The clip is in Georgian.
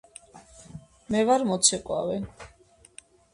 მე ვარ მოცეკვავე.